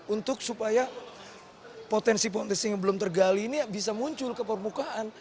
untuk supaya potensi potensi yang belum tergali ini bisa muncul ke permukaan